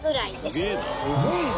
「すごいな！」